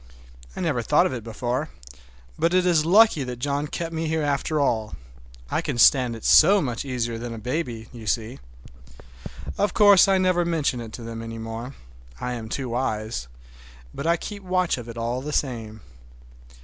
I never thought of it before, but it is lucky that John kept me here after all. I can stand it so much easier than a baby, you see. Of course I never mention it to them any more,—I am too wise,—but I keep watch of it all the same.